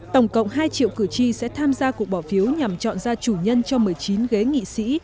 tổng cộng hai triệu cử tri sẽ tham gia cuộc bỏ phiếu nhằm chọn ra chủ nhân cho một mươi chín ghế nghị sĩ